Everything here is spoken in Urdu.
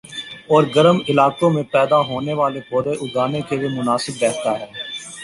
اور گرم علاقوں میں پیدا ہونے والے پودے اگانے کیلئے مناسب رہتا ہے